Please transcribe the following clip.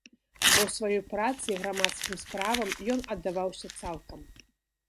Бо сваёй працы і грамадскім справам ён аддаваўся цалкам.